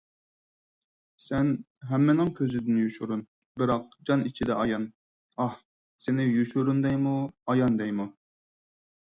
سەن ھەممىنىڭ كۆزىدىن يوشۇرۇن، بىراق جان ئىچىدە ئايان، ئاھ، سېنى يوشۇرۇن دەيمۇ، ئايان دەيمۇ؟